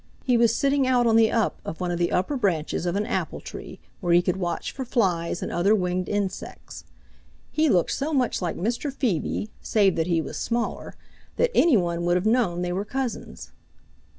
He was sitting out on the up of one of the upper branches of an apple tree where he could watch for flies and other winged insects. He looked so much like Mr. Phoebe, save that he was smaller, that any one would have know they were cousins.